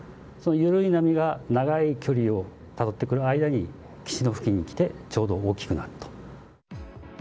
その緩い波が長い距離をたどってくる間に岸の付近に来てちょうど大きくなると。